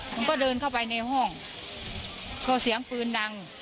ผมก็เดินเข้าไปในห้องพอเสียงปืนดัง